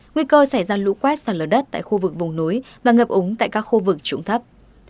nguy cơ xảy ra lũ quát sàn lở đất tại khu vực vùng núi và ngập ống tại các khu vực trụng thấp